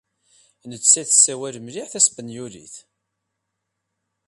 Nettat tessawal mliḥ taspenyulit.